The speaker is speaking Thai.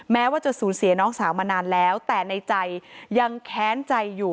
แม้ว่าจะสูญเสียน้องสาวมานานแล้วแต่ในใจยังแค้นใจอยู่